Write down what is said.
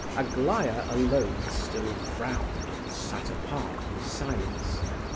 Aglaya alone still frowned, and sat apart in silence.